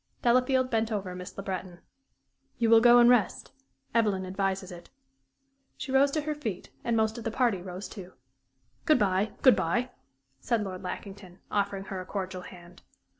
Delafield bent over Miss Le Breton. "You will go and rest? Evelyn advises it." She rose to her feet, and most of the party rose, too. "Good bye good bye," said Lord Lackington, offering her a cordial hand.